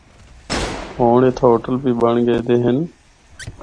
ہونڑ اِتھا ہوٹل بھی بنڑ گئے دے ہن۔